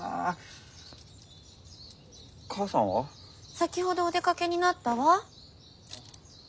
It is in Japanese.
先ほどお出かけになったわ。